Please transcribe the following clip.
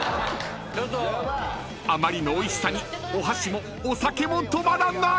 ［あまりのおいしさにお箸もお酒も止まらない！］